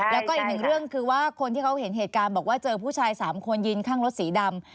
แล้วก็อีกหนึ่งเรื่องคือว่าคนที่เขาเห็นเหตุการณ์บอกว่าเจอผู้ชาย๓คนยืนข้างรถสีดำ